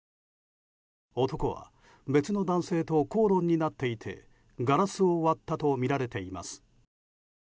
男は、別の男性と口論になっていてガラスを割ったとみられています。